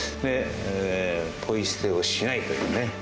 ポイ捨てをしないというね。